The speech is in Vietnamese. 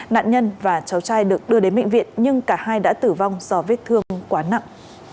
nạn nhân và cháu trai được đưa đến bệnh viện nhưng cả hai đã tử vong do vết thương quá nặng